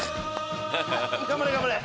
頑張れ頑張れ。